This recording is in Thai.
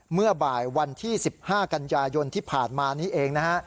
เมื่อบ่ายวันที่๑๕กันยายนที่ผ่านมานี้เองนะฮะ